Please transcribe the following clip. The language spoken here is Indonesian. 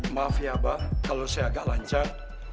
maaf ya bang kalau saya agak lancar